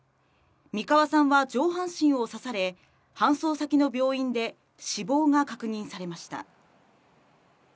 三川さんは上半身を刺され、搬送先の病院で死亡が確認されました。